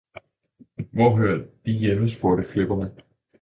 Hvor hører De hjemme? spurgte flipperne.